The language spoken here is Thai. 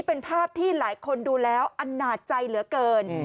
เป็นภาพที่หลายคนดูแล้วอันนาจใจเหลือเกิน